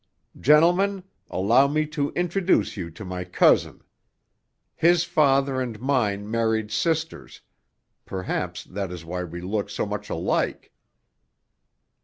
Gentlemen, allow me to introduce you to my cousin. His father and mine married sisters—perhaps that is why we look so much alike."